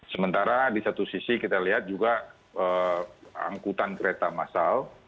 sementara di satu sisi kita lihat juga angkutan kereta masal